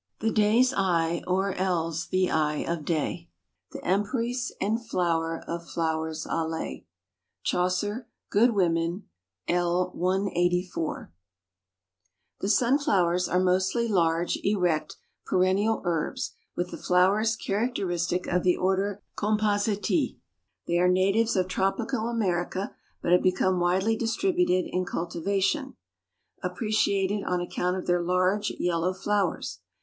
The dayesye or elles the eye of day, The emperice and flour of floures alle. Chaucer, Good Women, l. 184. The sunflowers are mostly large, erect, perennial herbs, with the flowers characteristic of the order Compositae. They are natives of tropical America, but have become widely distributed in cultivation, appreciated on account of their large yellow flowers.